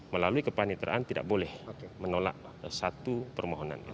melalui kepanitraan tidak boleh menolak satu permohonan